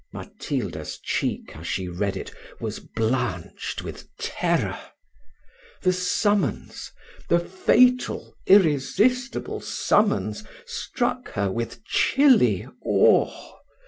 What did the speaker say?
Matilda's cheek, as she read it, was blanched with terror. The summons the fatal, irresistible summons, struck her with chilly awe.